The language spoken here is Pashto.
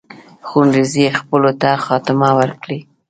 خونړي ځپلو ته خاتمه ورکړي.